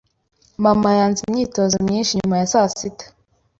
Mama yanze imyitozo myinshi nyuma ya sasita.